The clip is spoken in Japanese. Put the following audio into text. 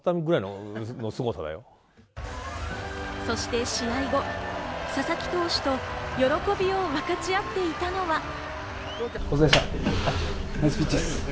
そして試合後、佐々木投手と喜びを分かち合っていたのは。